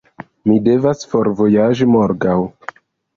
Mi devas forvojaĝi morgaŭ.